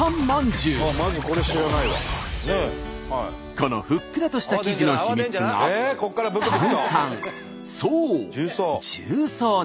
このふっくらとした生地の秘密がうんうん。